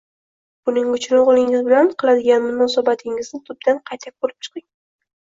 Buning uchun o‘g‘lingiz bilan qiladigan munosabatingizni tubdan qayta ko‘rib chiqing.